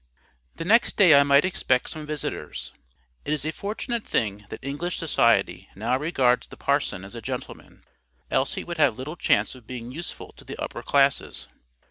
The next day I might expect some visitors. It is a fortunate thing that English society now regards the parson as a gentleman, else he would have little chance of being useful to the UPPER CLASSES.